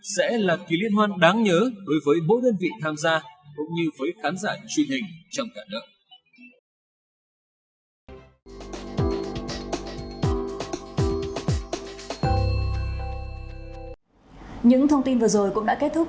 sẽ là kỳ liên hoan đáng nhớ đối với mỗi đơn vị tham gia cũng như với khán giả truyền hình trong cả nước